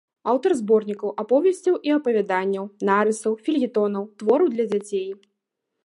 Аўтар зборнікаў, аповесцяў і апавяданняў, нарысаў, фельетонаў, твораў для дзяцей.